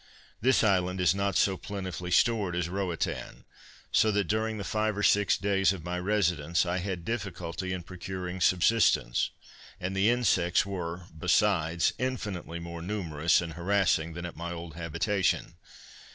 This island is not so plentifully stored as Roatan, so that during the five or six days of my residence, I had difficulty in procuring subsistence; and the insects were, besides, infinitely more numerous and harassing than at my old habitation.